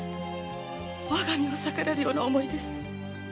我が身を裂かれるような思いです。